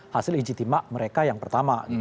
hasil ijitima mereka yang pertama